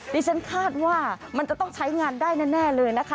ดิฉันคาดว่ามันจะต้องใช้งานได้แน่เลยนะคะ